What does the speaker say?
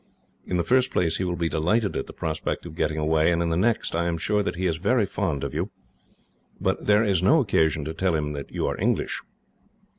In the first place, he will be delighted at the prospect of getting away; and in the next, I am sure that he is very fond of you. But there is no occasion to tell him that you are English."